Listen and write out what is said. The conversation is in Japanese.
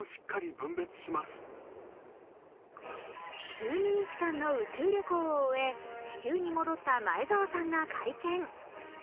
１２日間の宇宙旅行を終え地球に戻った前澤さんが会見。